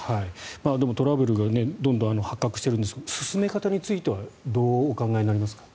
でもトラブルがどんどん発覚しているんですが進め方についてはどうお考えになりますか。